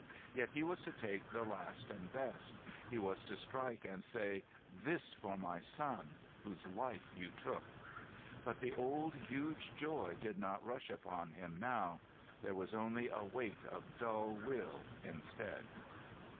Yet he was to take the last and best. He was to strike, and say, "This for my son, whose life you took!" But the old huge joy did not rush upon him now. There was only a weight of dull will instead.